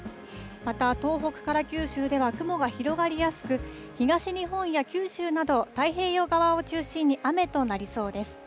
また、東北から九州では雲が広がりやすく、東日本や九州など、太平洋側を中心に雨となりそうです。